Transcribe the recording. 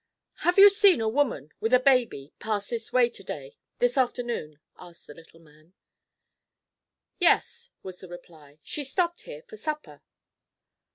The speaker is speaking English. "Have you seen a woman with a baby pass this way to day—this afternoon?" asked the little man. "Yes," was the reply; "she stopped here for supper."